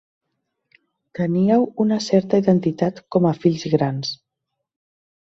Teníeu una certa identitat com a fills grans.